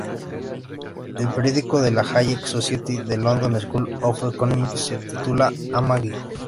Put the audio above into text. El periódico de la Hayek Society del London School of Economics se titula Ama-gi.